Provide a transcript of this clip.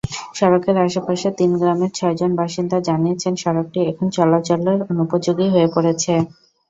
সড়কের আশপাশের তিন গ্রামের ছয়জন বাসিন্দা জানিয়েছেন, সড়কটি এখন চলাচলের অনুপযোগী হয়ে পড়েছে।